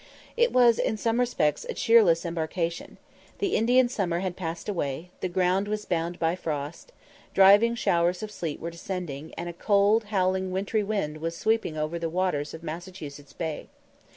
It was in some respects a cheerless embarkation. The Indian summer had passed away; the ground was bound by frost; driving showers of sleet were descending; and a cold, howling, wintry wind was sweeping over the waters of Massachusetts Bay.